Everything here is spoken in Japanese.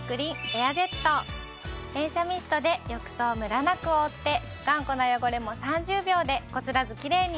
連射ミストで浴槽をムラなく覆って頑固な汚れも３０秒でこすらずキレイに。